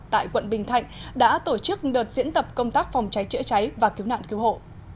tại quận bình thạnh đã tổ chức đợt diễn tập công tác phòng cháy chữa cháy và cứu nạn cứu hộ